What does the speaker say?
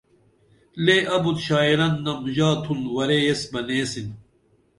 لے ابُت شاعرن نم ژا تُھن ورے ایس بہ نیسِن